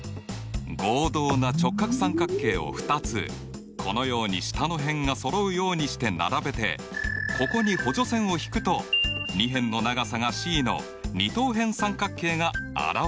合同な直角三角形を２つこのように下の辺がそろうようにして並べてここに補助線を引くと２辺の長さがｃの二等辺三角形が現れるね。